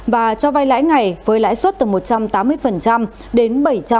và cho vai lãi ngày với lãi suất từ một trăm tám mươi đến bảy trăm hai mươi